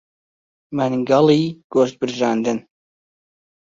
مەنگەڵی گۆشت برژاندن